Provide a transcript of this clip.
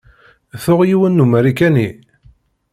Tuɣ yiwen n Umarikani.